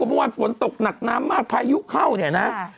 เมื่อวานฝนตกหนักน้ำมากพายุเข้าเนี่ยนะ